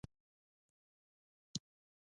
ایا مصنوعي ځیرکتیا د کلتوري تفاوتونو درک نه لري؟